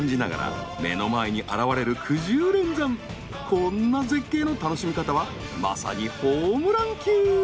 こんな絶景の楽しみ方はまさにホームラン級。